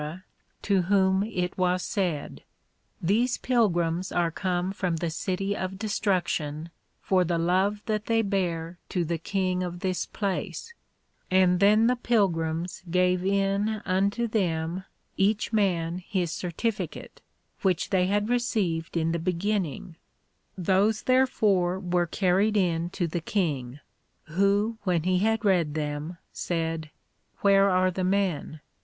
to whom it was said, These Pilgrims are come from the City of Destruction for the love that they bear to the King of this place; and then the Pilgrims gave in unto them each man his Certificate, which they had received in the beginning; those therefore were carried in to the King, who when he had read them, said, Where are the men?